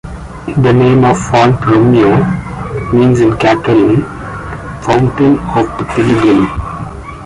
The name of "Font-Romeu" means in Catalan : "fountain of the pilgrim".